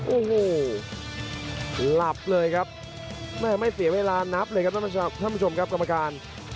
โอ้โหหลับเลยครับแม่ไม่เสียเวลานับเลยครับท่านผู้ชมครับกรรมการ